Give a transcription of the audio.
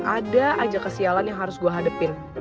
ada aja kesialan yang harus gue hadapin